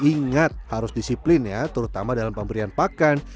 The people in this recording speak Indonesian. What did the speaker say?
ingat harus disiplin ya terutama dalam pemberian pakan